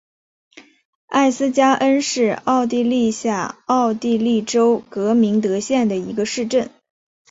艾斯加恩是奥地利下奥地利州格明德县的一个市镇。